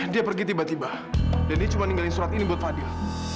dia pergi tiba tiba dan dia cuma ninggalin surat ini buat fadil